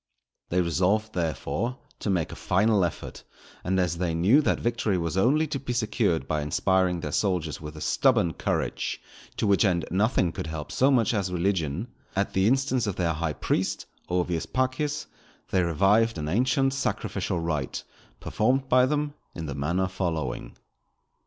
_" They resolved, therefore, to make a final effort; and as they knew that victory was only to be secured by inspiring their soldiers with a stubborn courage, to which end nothing could help so much as religion, at the instance of their high priest, Ovius Paccius, they revived an ancient sacrificial rite performed by them in the manner following.